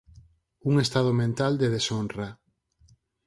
Un estado mental de deshonra.